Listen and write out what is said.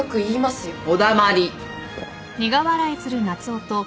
お黙り。